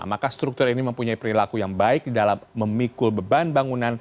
maka struktur ini mempunyai perilaku yang baik dalam memikul beban bangunan tahan gempa